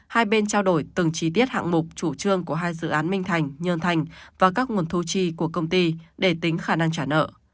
hai bên trao đổi từng chi tiết hạng mục chủ trương của hai dự án minh thành nhơn thành và các nguồn thu chi của công ty để tính khả năng trả nợ